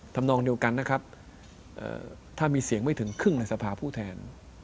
ทำนองเดียวกันนะครับถ้ามีเสียงไม่ถึงครึ่งในสภาผู้แทน